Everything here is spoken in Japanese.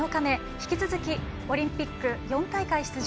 引き続きオリンピック４大会出場